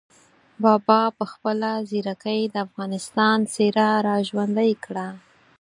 بابا په خپله ځیرکۍ د افغانستان څېره را ژوندۍ کړه.